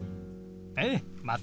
ええまた。